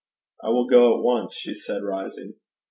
'I will go at once,' she said, rising.